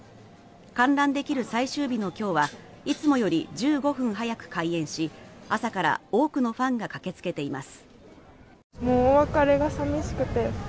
観覧できる最終日の今日はいつもより１５分早く開園し朝から多くのファンが駆けつけています。